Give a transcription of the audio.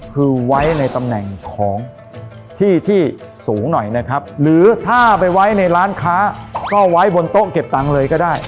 คือไว้ในตำแหน่งของที่ที่สูงหน่อยนะครับหรือถ้าไปไว้ในร้านค้าก็ไว้บนโต๊ะเก็บตังค์เลยก็ได้